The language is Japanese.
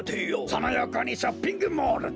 そのよこにショッピングモールだ。